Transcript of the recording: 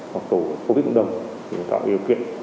tổ dân phố viết cộng đồng để tạo điều kiện